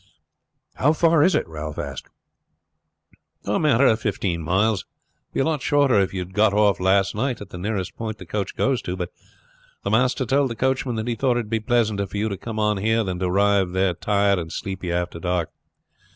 "How far is it?" "A matter of fifteen miles. It would be a lot shorter if you had got off last night at the nearest point the coach goes to; but the master told the coachman that he thought it would be pleasanter for you to come on here than to arrive there tired and sleepy after dark."